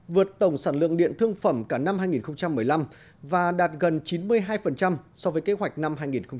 vượt tổng sản lượng điện thương phẩm cả năm hai nghìn một mươi năm và đạt gần chín mươi hai so với kế hoạch năm hai nghìn một mươi tám